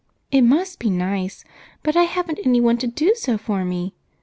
"It must be nice, but I haven't anyone to do so for me.